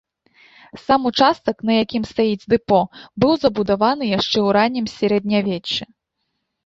Сам участак, на якім стаіць дэпо, быў забудаваны яшчэ ў раннім сярэднявеччы.